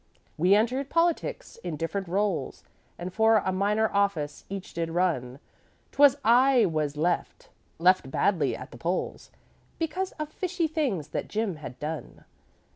"'We entered politics in different roles, And for a minor office each did run. 'Twas I was left left badly at the polls, Because of fishy things that Jim had done.